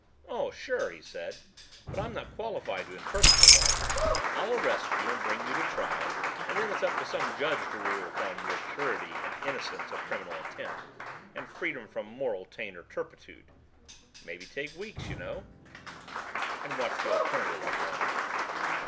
"Oh, sure," he said. "But I'm not qualified to interpret the law. I'll arrest you and bring you to trial and then it's up to some judge to rule upon your purity and innocence of criminal intent, and freedom from moral taint or turpitude. Maybe take weeks, you know." "And what's the alternative?" I grunted.